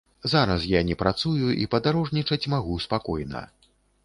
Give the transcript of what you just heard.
Зараз я не працую і падарожнічаць магу спакойна.